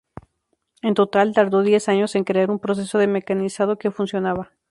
En total, tardó diez años en crear un proceso de mecanizado que funcionaba.